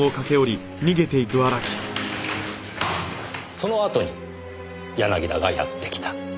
そのあとに柳田がやって来た。